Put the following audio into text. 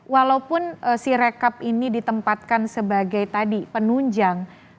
walaupun si rekap ini ditempatkan sebagai tadi penunjang